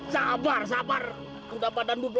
jadi masih ada batang